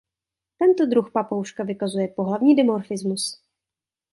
Tento druh papouška vykazuje pohlavní dimorfismus.